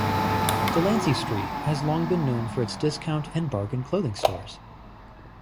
Delancey Street has long been known for its discount and bargain clothing stores.